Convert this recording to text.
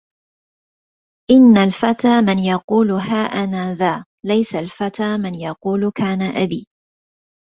إِنَّ الفَتى مَن يُقولُ ها أَنا ذا لَيسَ الفَتى مَن يُقولُ كانَ أَبي